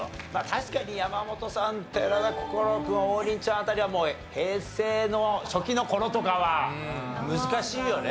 確かに山本さん寺田心君王林ちゃん辺りはもう平成の初期の頃とかは難しいよね。